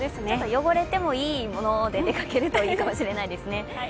汚れてもいいもので出かけるといいかもしれませんね。